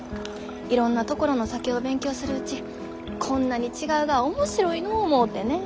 いろんなところの酒を勉強するうちこんなに違うがは面白いのう思うてねえ。